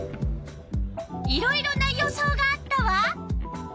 いろいろな予想があったわ。